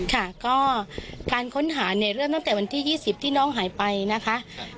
ค่ะก็การค้นหาเนี่ยเริ่มตั้งแต่วันที่๒๐ที่น้องหายไปนะคะ